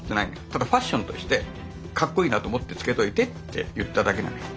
ただファッションとしてかっこいいなと思ってつけといてって言っただけなのよ。